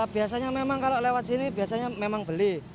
biasanya memang kalau lewat sini biasanya memang beli